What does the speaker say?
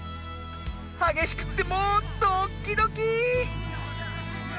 はげしくってもうドッキドキー！